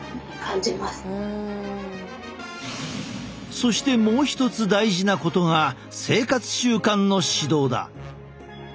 そしてもう一つ大事なことが生活習慣の指導だ。